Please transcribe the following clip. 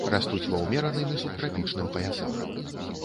Растуць ва ўмераным і субтрапічным паясах.